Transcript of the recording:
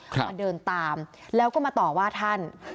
มาเดินตามแล้วก็มาต่อว่าท่าน